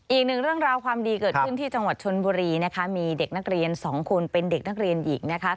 อีกหนึ่งเรื่องราวความดีเกิดขึ้นที่จังหวัดชนบุรีนะคะมีเด็กนักเรียนสองคนเป็นเด็กนักเรียนหญิงนะคะ